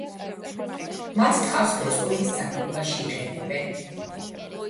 მათ ტყავს ბეწვეულის წარმოებაში იყენებენ.